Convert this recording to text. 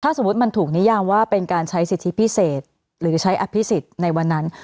สมมุติมันถูกนิยามว่าเป็นการใช้สิทธิพิเศษหรือใช้อภิษฎในวันนั้น